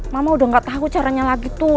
mama udah gak tahu caranya lagi tuh